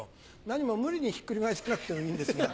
何も無理にひっくり返さなくてもいいんですが。